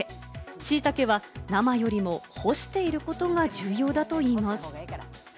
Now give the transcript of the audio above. しいたけは生よりも干していることが重要だといいます。